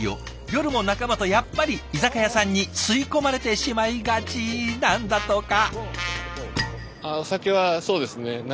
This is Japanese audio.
夜も仲間とやっぱり居酒屋さんに吸い込まれてしまいがちなんだとか。